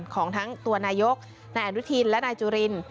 ของทั้งตัวนายกนายอนุทินและนายจุริน